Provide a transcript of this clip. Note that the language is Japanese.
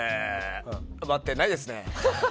埋まってないですね。